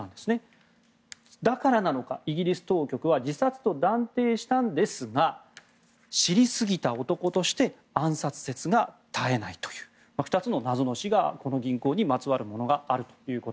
だからなのかイギリス当局は自殺と断定したんですが知りすぎた男として暗殺説が絶えないという２つの謎の死が、この銀行にまつわるものであると。